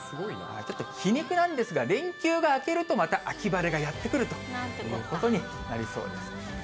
皮肉なんですが、連休が明けるとまた秋晴れがやって来るということになりそうです。